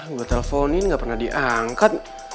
gue teleponin gak pernah diangkat